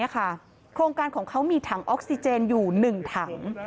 โครงการของเขามีถังออกซิเจนอยู่๑ถัง